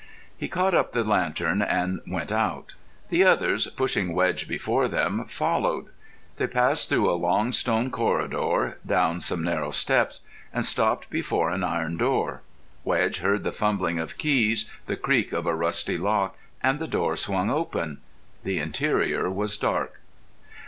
He caught up the lantern and went out. The others, pushing Wedge before them, followed. They passed through a long stone corridor, down some narrow steps, and stopped before an iron door. Wedge heard the fumbling of keys, the creak of a rusty lock, and the door swung open. The interior was dark.